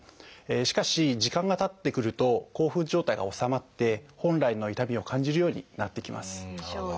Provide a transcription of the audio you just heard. しかし時間がたってくると興奮状態が収まって本来の痛みを感じるようになってきます。